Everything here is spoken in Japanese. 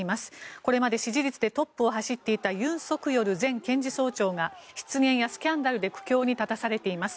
これまで支持率でトップを走っていたユン・ソクヨル前検事総長が失言やスキャンダルで苦境に立たされています。